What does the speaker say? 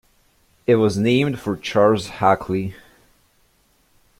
It was named for Charles Hackley.